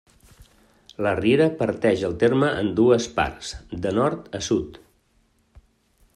La riera parteix el terme en dues parts, de nord a sud.